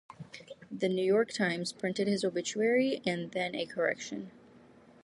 The "New York Times" printed his obituary, and then a correction.